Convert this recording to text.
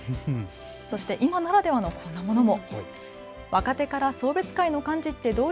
そして今ならではのこんなものも。